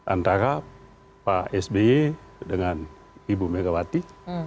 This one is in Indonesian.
antara pak sby dengan ibu megawati